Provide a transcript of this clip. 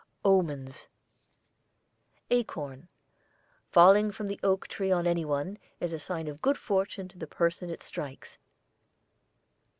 OMENS ACORN. Falling from the oak tree on anyone, is a sign of good fortune to the person it strikes.